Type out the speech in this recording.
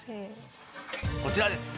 こちらです！